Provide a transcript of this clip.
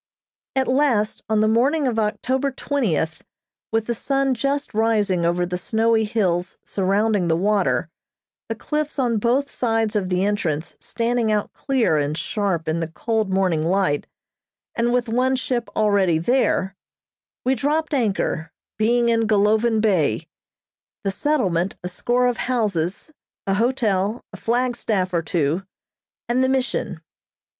At last, on the morning of October twentieth, with the sun just rising over the snowy hills surrounding the water, the cliffs on both sides of the entrance standing out clear and sharp in the cold morning light, and with one ship already there, we dropped anchor, being in Golovin Bay. The settlement, a score of houses, a hotel, a flagstaff or two, and the Mission.